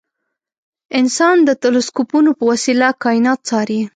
انسان د تلسکوپونو په وسیله کاینات څاري.